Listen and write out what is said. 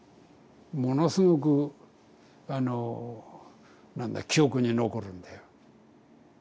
ものすごくあのなんだ記憶に残るんだよ。